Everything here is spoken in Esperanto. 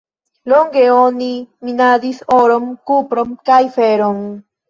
Longe oni minadis oron, kupron kaj feron.